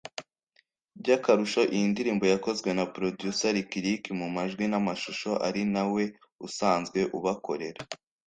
By’akarusho iyi ndirimbo yakozwe na Producer Lick Lick mu majwi n’amashusho ari na we usanzwe ubakorera